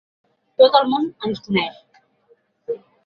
Tot el món ens coneix.